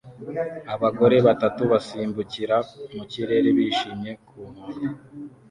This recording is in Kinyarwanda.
Abagore batatu basimbukira mu kirere bishimye ku nkombe